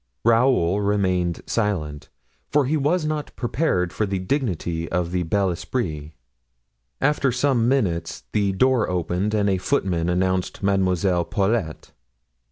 Raoul remained silent, for he was not prepared for the dignity of the bel esprit. After some minutes the door opened and a footman announced Mademoiselle Paulet.